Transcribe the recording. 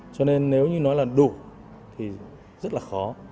cho nên nếu như nói là đủ thì rất là khó